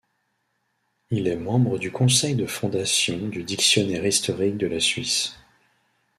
Il est membre du Conseil de Fondation du Dictionnaire historique de la Suisse.